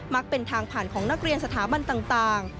เป็นทางผ่านของนักเรียนสถาบันต่าง